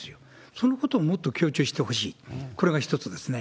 そのことをもっと強調してほしい、これが１つですね。